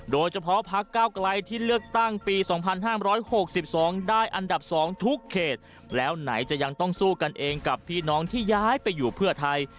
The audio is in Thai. โดยเฉพาะพักเก้าไกลที่เลือกตั้งปี๒๕๖๒ได้อันดับ๒ทุกเขตแล้วไหนจะยังต้องสู้กันเองกับพี่น้องที่ย้ายไปอยู่เพื่อไทย